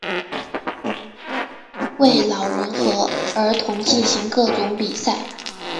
为老人和儿童进行各种比赛。